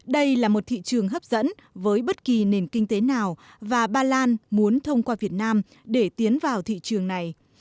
đây là một thị trường hấp dẫn với bất kỳ nền kinh tế nào và ba lan muốn thông qua việt nam để tiến vào thị trường này